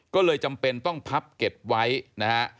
ก็เลยจำเป็นต้องพับเก็บไว้นะฮะ